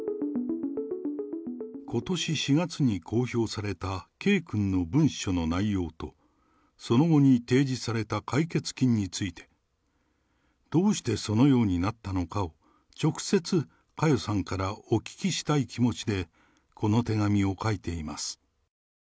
ことし４月に公表された圭君の文書の内容と、その後に提示された解決金について、どうしてそのようになったのかを直接、佳代さんからお聞きしたい気持ちで、この手紙を書いています。